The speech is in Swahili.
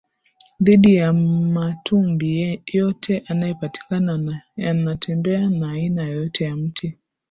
dhidi ya Mmatumbi yeyote anaepatikana anatembea na aina yoyote ya mti